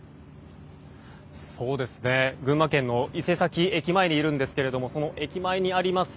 群馬県の伊勢崎駅前にいるんですがその駅前にあります